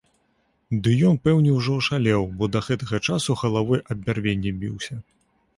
Ды ён пэўне ўжо ашалеў, бо да гэтага часу галавой аб бярвенне біўся.